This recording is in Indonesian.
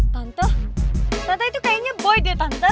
contoh tante itu kayaknya boy deh tante